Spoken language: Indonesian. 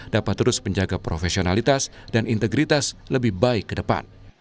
dapat terus menjaga profesionalitas dan integritas lebih baik ke depan